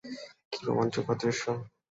কী রোমাঞ্চকর দৃশ্য!